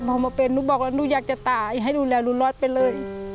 พอมาเป็นหนูบอกแล้วหนูอยากจะตายให้ดูแลหนูรอดไปเลย